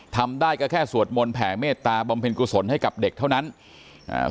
ทำได้ก็แค่สวดมนต์แผ่เมตตาบำเพ็ญกุศลให้กับเด็กเท่านั้นอ่า